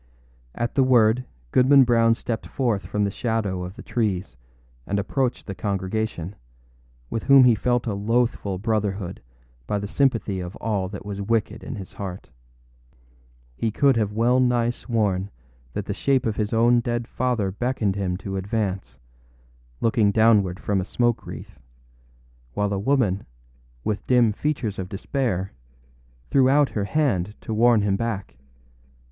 At the word, Goodman Brown stepped forth from the shadow of the trees and approached the congregation, with whom he felt a loathful brotherhood by the sympathy of all that was wicked in his heart. He could have well nigh sworn that the shape of his own dead father beckoned him to advance, looking downward from a smoke wreath, while a woman, with dim features of despair, threw out her hand to warn him back.